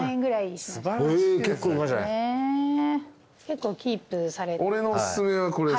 結構キープされ。